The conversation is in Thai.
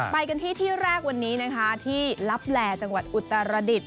ไปกันที่ที่แรกวันนี้นะคะที่ลับแหล่จังหวัดอุตรดิษฐ